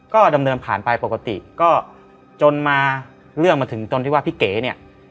ก็ดำเนินผ่านไปปกติก็จนมาเรื่องมาถึงจนที่ว่าพี่เก๋เนี่ย